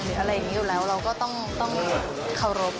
อะไรอย่างนี้อยู่แล้วเราก็ต้องเคารพ